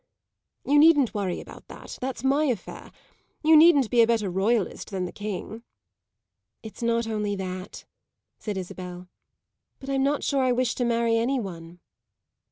"You needn't worry about that. That's my affair. You needn't be a better royalist than the king." "It's not only that," said Isabel; "but I'm not sure I wish to marry any one."